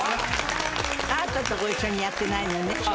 あなたとご一緒にやってないのよね。